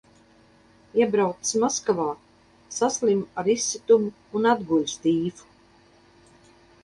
Iebraucis Maskavā, saslimu ar izsitumu un atguļas tīfu.